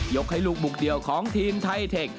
ให้ลูกมุมเดียวของทีมไทเทค